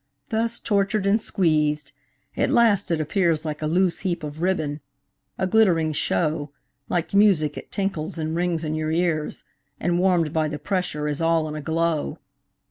Thus tortured and squeezed, at last it appears Like a loose heap of ribbon, a glittering show, Like music it tinkles and rings in your ears, And warm'd by the pressure is all in a glow.